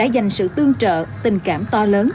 dành sự tương trợ tình cảm to lớn